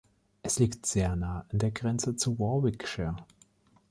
Es liegt sehr nahe an der Grenze zu Warwickshire.